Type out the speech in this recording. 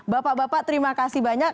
bapak bapak terima kasih banyak